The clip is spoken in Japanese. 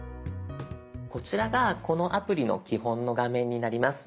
こちらがこのアプリの基本の画面になります。